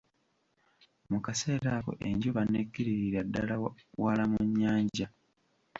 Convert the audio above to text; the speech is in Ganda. Mu kaseera ako enjuba n'ekkiriririra ddala wala mu nnyanja.